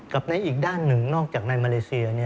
ในอีกด้านหนึ่งนอกจากในมาเลเซีย